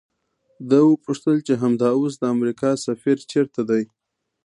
ده وپوښتل چې همدا اوس د امریکا سفیر چیرته دی؟